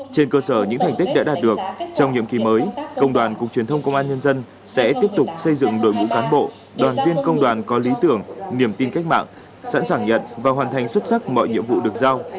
trên cơ sở những thành tích đã đạt được trong nhiệm kỳ mới công đoàn cục truyền thông công an nhân dân sẽ tiếp tục xây dựng đội ngũ cán bộ đoàn viên công đoàn có lý tưởng niềm tin cách mạng sẵn sàng nhận và hoàn thành xuất sắc mọi nhiệm vụ được giao